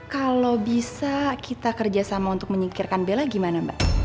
kalau bisa kita kerjasama untuk menyingkirkan bella gimana mbak